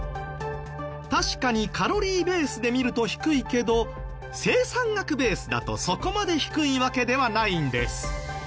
確かにカロリーベースで見ると低いけど生産額ベースだとそこまで低いわけではないんです。